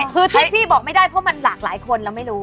คือที่พี่บอกไม่ได้เพราะมันหลากหลายคนเราไม่รู้